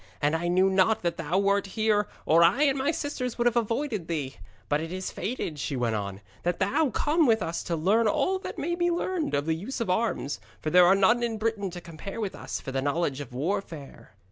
And I knew not that thou wert here, or I and my sisters would have avoided thee. But it is fated,' she went on, 'that thou come with us to learn all that may be learned of the use of arms. For there are none in Britain to compare with us for the knowledge of warfare.'